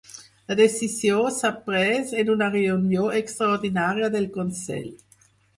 La decisió s'ha pres en una reunió extraordinària del consell